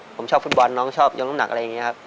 ผมชอบฟุตบอลน้องชอบยกน้ำหนักอะไรอย่างนี้ครับ